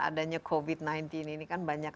adanya covid sembilan belas ini kan banyak